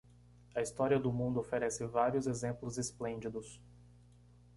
A história do mundo oferece vários exemplos esplêndidos.